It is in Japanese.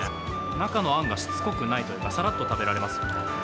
中のあんがしつこくないというか、さらっと食べられますね。